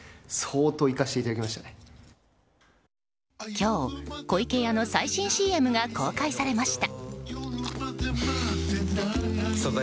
今日、湖池屋の最新ＣＭが公開されました。